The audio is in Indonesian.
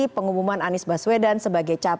pengumuman anies baswedan sebagai capres